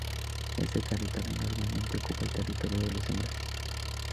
Este territorio normalmente ocupa el territorio de dos hembras.